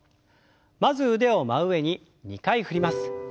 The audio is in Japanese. まず腕を真上に２回振ります。